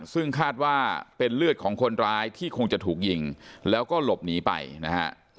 ซึ่งคาดว่าเป็นเลือดของคนร้ายที่คงจะถูกยิงแล้วก็หลบหนีไปนะฮะ